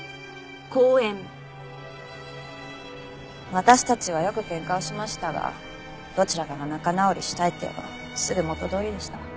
私たちはよく喧嘩はしましたがどちらかが仲直りしたいと言えばすぐ元どおりでした。